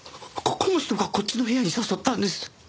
この人がこっちの部屋に誘ったんです。